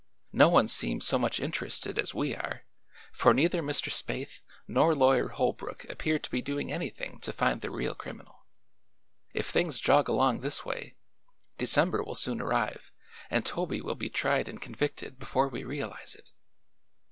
No one seems so much interested as we are, for neither Mr. Spaythe nor Lawyer Holbrook appear to be doing anything to find the real criminal. If things jog along this way, December will soon arrive and Toby will be tried and convicted before we realize it."